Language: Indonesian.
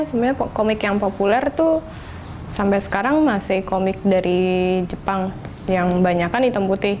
sebenarnya komik yang populer tuh sampai sekarang masih komik dari jepang yang banyak kan hitam putih